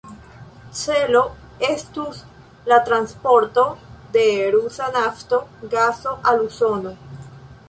Celo estus la transporto de rusa nafto, gaso al Usono.